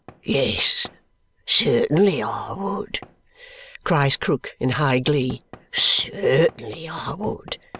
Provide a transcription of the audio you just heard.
"Yes, certainly I would!" cries Krook in high glee. "Certainly I would!